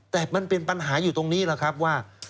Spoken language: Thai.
แต่มันเป็นปัญหาอยู่ตรงนี้แหละครับว่า